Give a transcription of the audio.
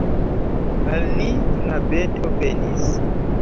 Al ni knabeto venis!